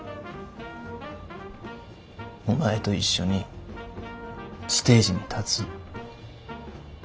お前と一緒にステージに立つ。